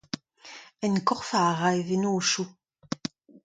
Enkorfañ a ra e vennozioù.